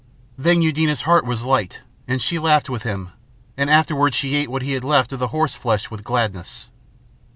Then Eudena's heart was light, and she laughed with him; and afterwards she ate what he had left of the horseflesh with gladness.